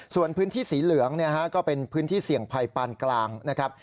ส่วนพื้นที่สีเหลืองก็เป็นพื้นที่เสี่ยงภัยปานกลางนะครับ